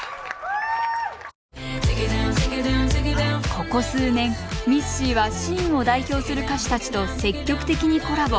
ここ数年ミッシーはシーンを代表する歌手たちと積極的にコラボ。